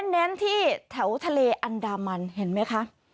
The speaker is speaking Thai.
เน้นที่แถวทะเลอันดามันเห็นไหมคะ